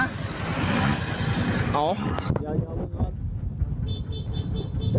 เดี๋ยวคุณครับ